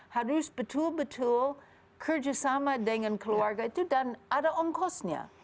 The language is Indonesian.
harus betul betul kerjasama dengan keluarga itu dan ada ongkosnya